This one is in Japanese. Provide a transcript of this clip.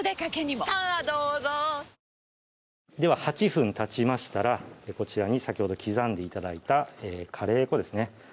８分たちましたらこちらに先ほど刻んで頂いたカレー粉ですね